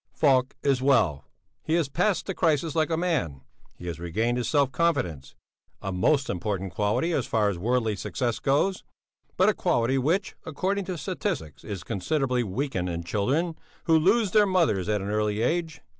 Falk is well; he has passed the crisis like a man; he has regained his self confidence a most important quality as far as worldly success goes, but a quality which, according to statistics is considerably weakened in children who lose their mothers at an early age.